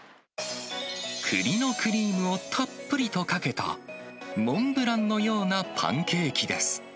くりのクリームをたっぷりとかけた、モンブランのようなパンケーキです。